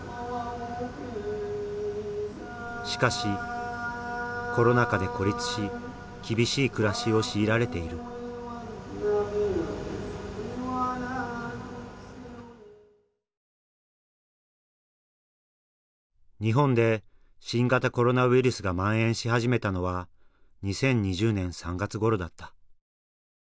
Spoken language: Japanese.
しかしコロナ禍で孤立し厳しい暮らしを強いられている日本で新型コロナウイルスがまん延し始めたのは２０２０年３月ごろだった。